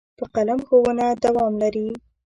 په قلم ښوونه دوام لري.